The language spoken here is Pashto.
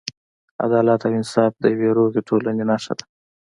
عدالت او انصاف د یوې روغې ټولنې نښه ده.